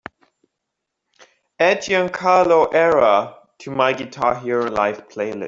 Add giancarlo erra to my Guitar Hero Live Playlist